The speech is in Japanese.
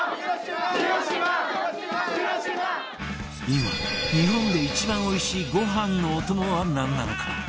今日本で一番おいしいご飯のお供はなんなのか？